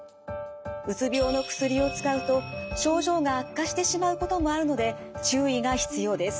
うつ病の薬を使うと症状が悪化してしまうこともあるので注意が必要です。